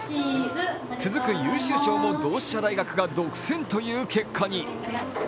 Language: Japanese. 続く優秀賞も同志社大学が独占という結果に。